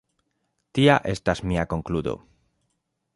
Tia estas mia konkludo.